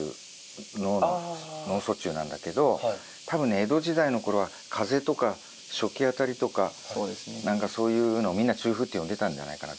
脳の脳卒中なんだけど多分ね江戸時代の頃は風邪とか暑気あたりとか何かそういうのをみんな中風って呼んでたんじゃないかなと。